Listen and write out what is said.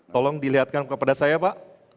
tolong dilihatkan kepada saya pak